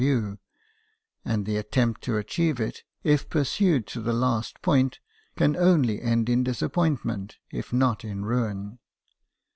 view, and the attempt to achieve it, if pursued to the last point, can only end in disappoint ment if not in ruin.